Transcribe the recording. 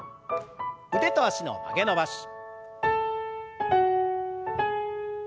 腕と脚の曲げ伸ばし。